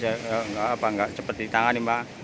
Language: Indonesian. enggak cepat ditangani pak